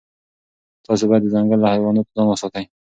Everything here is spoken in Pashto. تاسي باید د ځنګل له حیواناتو ځان وساتئ.